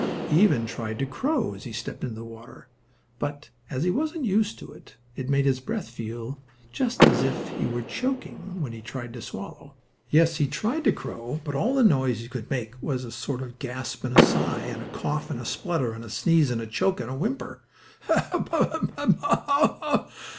He even tried to crow as he stepped into the water, but, as he wasn't used to it, it made his breath feel just as if it were choking him when he tried to swallow. Yes, he tried to crow, but all the noise he could make was a sort of a gasp and a sigh and a cough and a splutter and a sneeze and choke and a whimper. "Ha! Aha! Ahem! Ha! Ha!